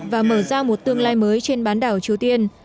và mở ra một tương lai mới trên bán đảo triều tiên